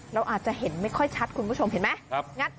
เราอาจจะเห็นไม่ค่อยชัดคุณผู้ชมเห็นไหม